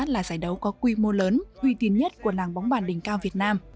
là giải đấu có quy mô lớn uy tín nhất của làng bóng bàn đỉnh cao việt nam